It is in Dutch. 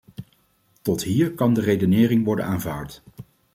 Tot hier kan de redenering worden aanvaard.